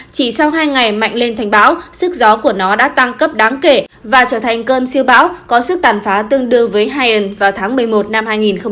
chỉ sau hai ngày mạnh lên thành bão sức gió của nó đã tăng cấp đáng kể và trở thành cơn siêu bão có sức tàn phá tương đương với haien vào tháng một mươi một năm hai nghìn một mươi chín